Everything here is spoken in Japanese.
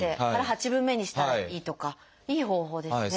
八分目にしたらいいとかいい方法ですね。